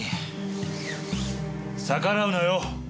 逆らうなよ。